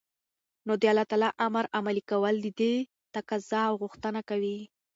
نو دالله تعالى امر عملي كول ددې تقاضا او غوښتنه كوي